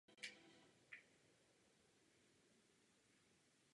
Fyzikální dobrodruh Ronald Richter.